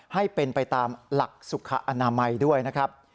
ให้เป็นไปตามหลักสุขอนามัยด้วยนะครับ